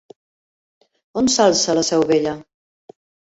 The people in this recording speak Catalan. On s'alça La Seu Vella?